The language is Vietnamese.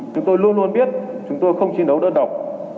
chúng tôi luôn luôn biết chúng tôi không chiến đấu đơn độc